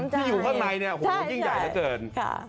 ที่อยู่ข้างในเนี่ยโอ้โหยิ่งใหญ่เหลือเกิน